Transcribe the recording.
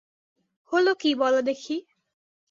হল কী বল দেখি!